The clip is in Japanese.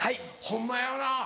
ホンマやよな